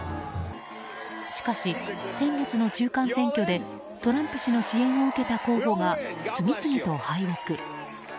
しかし、先月の中間選挙でトランプ氏の支援を受けた候補が次々と敗北。